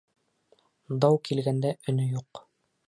Дау килгәндә өнө юҡ, —